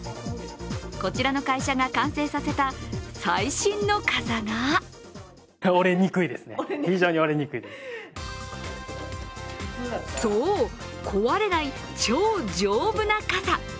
こちらの会社が完成させた最新の傘がそう、壊れない超丈夫な傘。